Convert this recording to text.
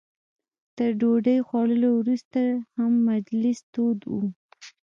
تر ډوډۍ خوړلو وروسته هم مجلس تود و.